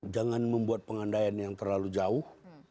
jangan membuat pengandaian yang terlalu jauh